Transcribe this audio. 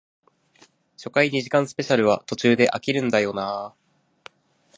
初回二時間スペシャルは途中で飽きるんだよなあ